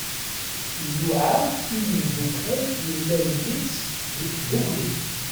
Iluɛa i yimddukal yellan yid-s deg tddukli.